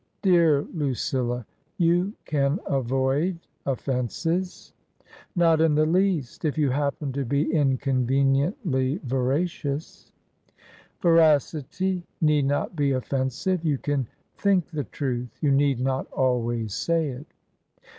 " Dear Lucilla ! You can avoid offences !"*' Not in the least, if you happen to be inconveniently veracious." 20* 234 TRANSITION. " Veracity need not be offensive. You can think the truth ; you need not always say it."